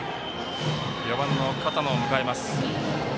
４番の片野を迎えます。